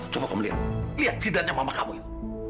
coba kamu lihat lihat sidatnya mama kamu itu